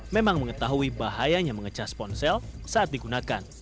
memang mengetahui bahayanya mengecas ponsel saat digunakan